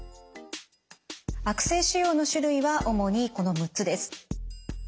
悪性腫瘍の種類は主にこの６つです。